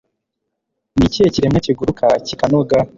Ni ikihe kiremwa kiguruka kikanoga?